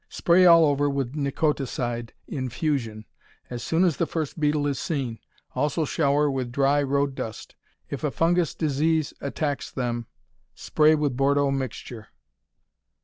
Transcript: Spray all over with Nicoticide infusion as soon as the first beetle is seen, also shower with dry road dust. If a fungous disease attacks them spray with Bordeaux mixture.